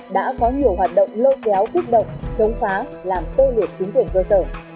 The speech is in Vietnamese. đã có nhiều hoạt động lôi kéo kích động chống phá làm tê liệt chính quyền cơ sở